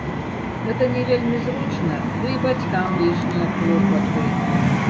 Гэта не вельмі зручна, ды і бацькам лішнія клопаты.